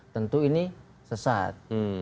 tentu ini sesat